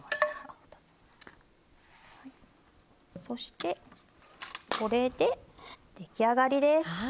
そして、これで出来上がりです。